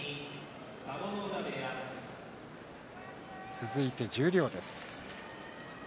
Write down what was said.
続いて十両です。